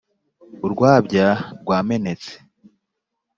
Urwabya rwamenetse.